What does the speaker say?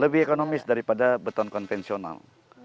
lebih ekonomis daripada beton konvensional